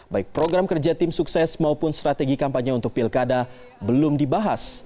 baik program kerja tim sukses maupun strategi kampanye untuk pilkada belum dibahas